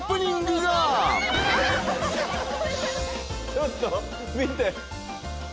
ちょっと見て。